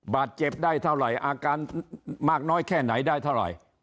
บาดเจ็บได้เท่าไหร่อาการมากน้อยแค่ไหนได้เท่าไหร่